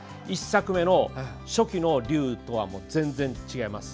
１作目の初期の龍とは全然違います。